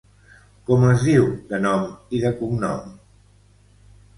Com es diu de nom, i de cognom?